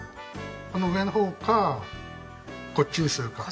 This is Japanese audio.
この上の方かこっちにするか。